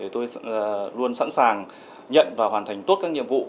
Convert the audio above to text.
tôi luôn sẵn sàng nhận và hoàn thành tốt các nhiệm vụ